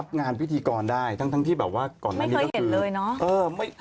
เขาไปรับลูกเองแล้วเขาก็เต็กนะ